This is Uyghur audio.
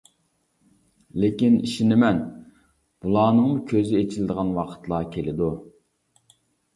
لېكىن، ئىشىنىمەن، بۇلارنىڭمۇ كۆزى ئېچىلىدىغان ۋاقىتلار كېلىدۇ.